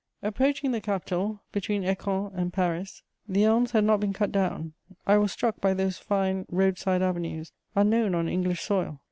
Approaching the capital, between Écouen and Paris, the elms had not been cut down; I was struck by those fine roadside avenues, unknown on English soil.